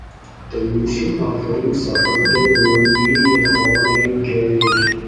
The initial offerings supported only a powerline carrier.